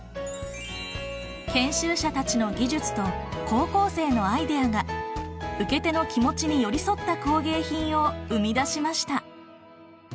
研修者たちの技術と高校生のアイデアが受け手の気持ちに寄り添った工芸品を生み出しました。